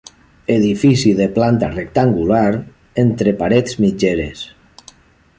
Edifici de planta rectangular entre parets mitgeres.